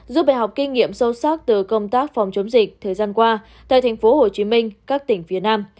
giúp bài học kinh nghiệm sâu sắc từ công tác phòng chống dịch thời gian qua tại tp hcm các tỉnh phía nam